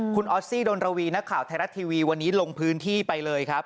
คุณออสซี่ดนรวีนักข่าวไทยรัฐทีวีวันนี้ลงพื้นที่ไปเลยครับ